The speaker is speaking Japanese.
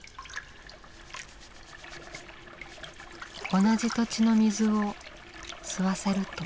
同じ土地の水を吸わせると。